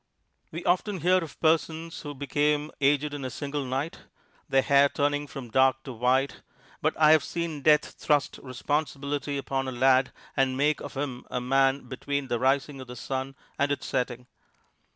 We often hear of persons who became aged in a single night, their hair turning from dark to white; but I have seen death thrust responsibility upon a lad and make of him a man between the rising of the sun and its setting.